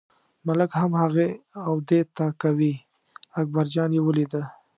ملک هم هغې او دې ته کوي، اکبرجان یې ولیده.